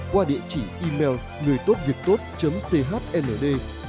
qua địa chỉ email ngườitốtviệctot thmd